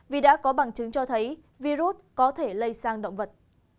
vì đã có bằng chứng cho thấy virus có thể lây sang động vật